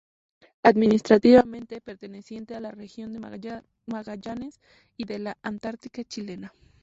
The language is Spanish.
Administrativamente perteneciente a la Región de Magallanes y de la Antártica Chilena.